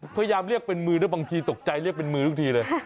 พยายามเรียกเป็นมือด้วยบางทีตกใจเรียกเป็นมือทุกทีเลย